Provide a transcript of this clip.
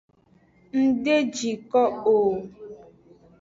Ng de ji ko o.